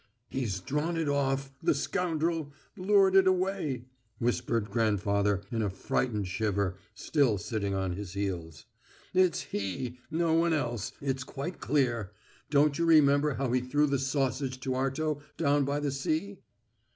"He's drawn it off, the scoundrel, lured it away," whispered grandfather in a frightened shiver, still sitting on his heels. "It's he; no one else, it's quite clear. Don't you remember how he threw the sausage to Arto down by the sea?"